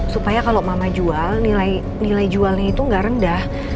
supaya kalo mama jual nilai jualnya itu gak rendah